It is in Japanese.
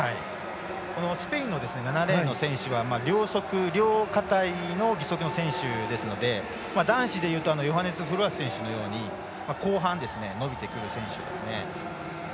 スペイン、７レーンの選手両足、両下たいの義足の選手ですので男子で言うとヨハネス・フロアス選手のように後半、伸びてくる選手です。